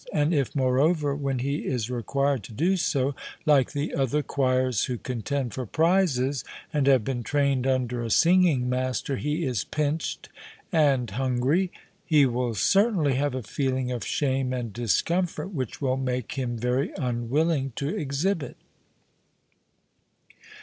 and if moreover when he is required to do so, like the other choirs who contend for prizes, and have been trained under a singing master, he is pinched and hungry, he will certainly have a feeling of shame and discomfort which will make him very unwilling to exhibit.